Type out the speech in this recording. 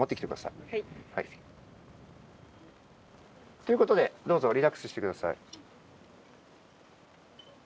ということで、どうぞリラックスしてください。